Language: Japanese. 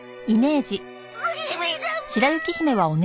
お姫様！